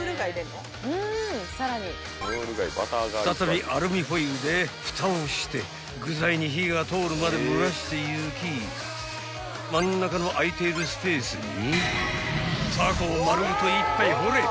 ［再びアルミホイルでふたをして具材に火が通るまで蒸らしていき真ん中の空いているスペースに］